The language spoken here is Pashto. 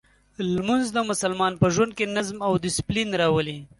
لمونځ د مسلمان په ژوند کې نظم او دسپلین راولي.